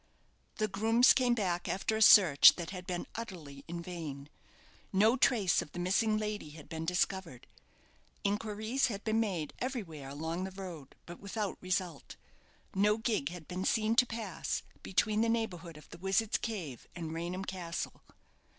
The grooms came back after a search that had been utterly in vain. No trace of the missing lady had been discovered. Inquiries had been made everywhere along the road, but without result. No gig had been seen to pass between the neighbourhood of the Wizard's Cave and Raynham Castle.